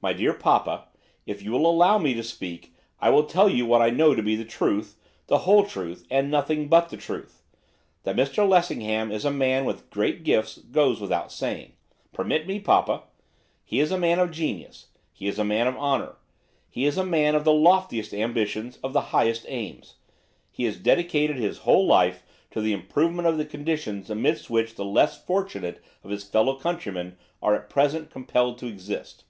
My dear papa, if you will allow me to speak, I will tell you what I know to be the truth, the whole truth, and nothing but the truth. That Mr Lessingham is a man with great gifts goes without saying, permit me, papa! He is a man of genius. He is a man of honour. He is a man of the loftiest ambitions, of the highest aims. He has dedicated his whole life to the improvement of the conditions amidst which the less fortunate of his fellow countrymen are at present compelled to exist.